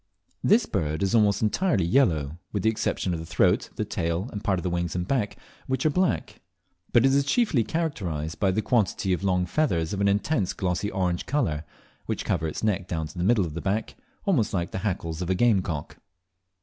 This bird is almost entirely yellow, with the exception of the throat, the tail, and part of the wings and back, which are black; but it is chiefly characterised by a quantity of long feathers of an intense glossy orange colour, which cover its neck down to the middle of the back, almost like the hackles of a game cock.